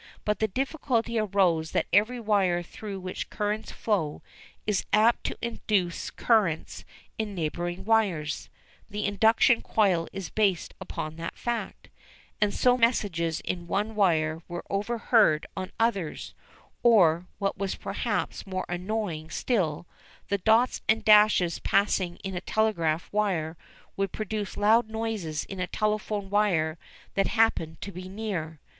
But the difficulty arose that every wire through which currents flow is apt to induce currents in neighbouring wires the induction coil is based upon that fact and so messages in one wire were overheard on others, or, what was perhaps more annoying still, the dots and dashes passing in a telegraph wire would produce loud noises in a telephone wire that happened to be near.